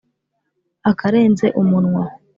akarenze umunwa